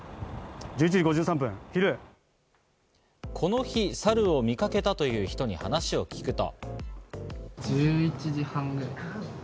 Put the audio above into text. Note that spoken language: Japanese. この日サルを見かけたという人に話を聞くと。